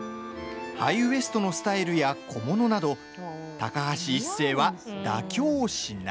ハイウエストのスタイルや小物など、高橋一生は妥協しない。